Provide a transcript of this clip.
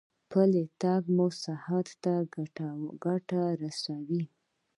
پلی تګ مو صحت ته ګټه رسوي.